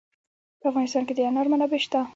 په افغانستان کې د انار منابع شته.